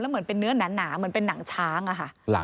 เหมือนเป็นเนื้อหนาเหมือนเป็นหนังช้างอะค่ะ